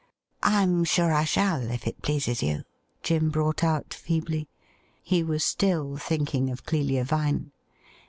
' I am sure I shall, if it pleases you,' Jim brought out feebly. He was still thinking of Clelia Vine.